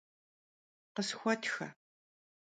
Khısxuetxe!